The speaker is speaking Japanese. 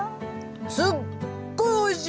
すっごいおいしい！